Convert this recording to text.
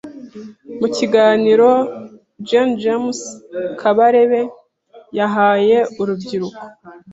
Mu kiganiro Gen James Kabarebe yahaye urubyiruko